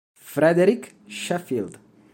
Frederick Sheffield